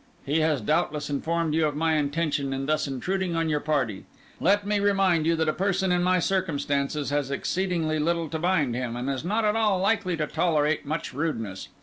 He has doubtless informed you of my intention in thus intruding on your party. Let me remind you that a person in my circumstances has exceedingly little to bind him, and is not at all likely to tolerate much rudeness.